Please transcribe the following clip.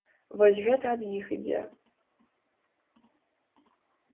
Вось гэта ад іх ідзе.